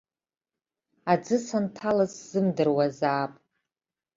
Аӡы санҭалаз сзымдыруазаап.